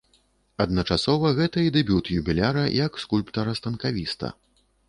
Адначасова гэта і дэбют юбіляра як скульптара-станкавіста.